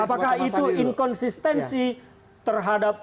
apakah itu inkonsistensi terhadap